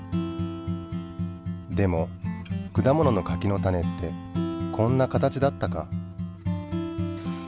でも果物の柿の種ってこんな形だったか？